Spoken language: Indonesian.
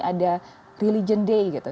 ada religion day gitu